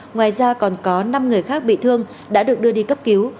ngoài ra còn có năm người khác bị thương đã được đưa đi cấp cứu